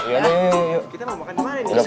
kita mau makan dimana nih